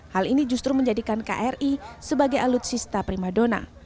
hal ini justru menjadikan kri sebagai alutsista primadona